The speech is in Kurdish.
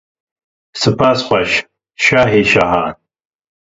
Spas xweş, şahê şahan.